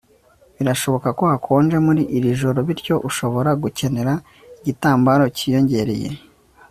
Birashoboka ko hakonje muri iri joro bityo ushobora gukenera igitambaro cyiyongereye